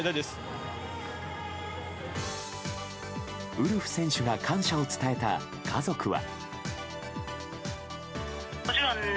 ウルフ選手が感謝を伝えた家族は。